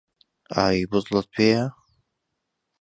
ئاوی بوتڵت پێیە؟